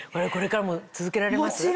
これからも続けられます？